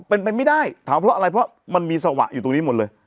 เป็นไปไม่ได้ถามเพราะอะไรเพราะมันมีสวะอยู่ตรงนี้หมดเลย